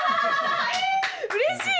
えうれしい！